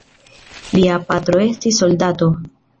Lia patro estis soldato.